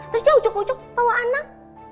terus dia ujuk ujuk bawa anak